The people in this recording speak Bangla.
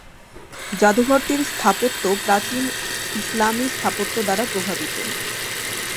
জাদুঘরটির স্থাপত্য প্রাচীন ইসলামী স্থাপত্য দ্বারা প্রভাবিত।